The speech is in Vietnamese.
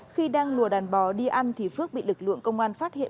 khi đang lùa đàn bò đi ăn thì phước bị lực lượng công an phát hiện